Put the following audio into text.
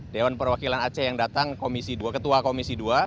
dewan perwakilan aceh yang datang ketua komisi dua